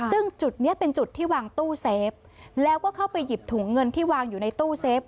ซึ่งจุดนี้เป็นจุดที่วางตู้เซฟแล้วก็เข้าไปหยิบถุงเงินที่วางอยู่ในตู้เซฟ